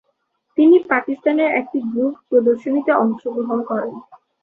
তিনি পাকিস্তানের একটি গ্রুপ প্রদর্শনীতে অংশগ্রহণ করেন।